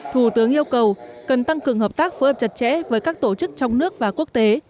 thủ tướng yêu cầu cần tăng cường hợp tác phối hợp chặt chẽ với các tổ chức trong nước và quốc tế